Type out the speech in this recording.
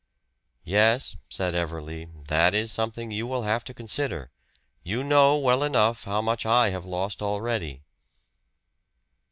"Yes," said Everley, "that is something you will have to consider. You know well enough how much I have lost already."